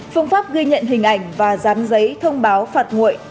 phương pháp ghi nhận hình ảnh và dán giấy thông báo phạt nguội